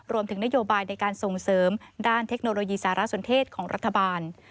รวมถึงนโยบายในการส่งเสริมด้านเทคโนโลยีสารสนเทศของรัฐบาล